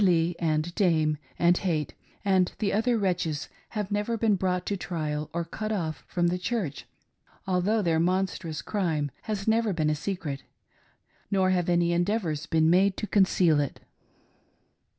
Lee, and Dame, and Haight, and the other wretches have never been brought to trial or cut off from the Church, although their monstrous crime has never been a secret, nor have any endeavors been made to conceal it.